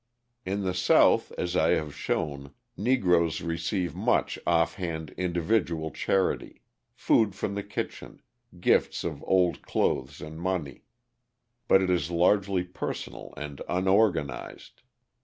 ] In the South, as I have shown, Negroes receive much off hand individual charity food from the kitchen, gifts of old clothes and money; but it is largely personal and unorganised.